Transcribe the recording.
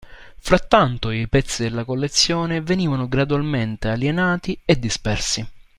Frattanto i pezzi della collezione venivano gradualmente alienati e dispersi.